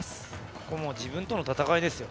ここも自分との戦いですよ。